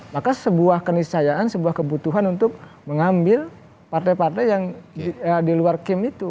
maka sebuah keniscayaan sebuah kebutuhan untuk mengambil partai partai yang di luar kim itu